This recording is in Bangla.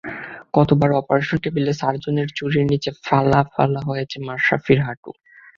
কতবার অপারেশন টেবিলে সার্জনের ছুরির নিচে ফালা ফালা হয়েছে মাশরাফির হাঁটু।